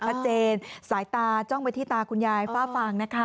สายตาจ้องไปที่ตาคุณยายฝ้าฟางนะคะ